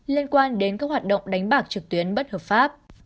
liên quan đến các hoạt động đánh bạc trực tuyến bất hợp pháp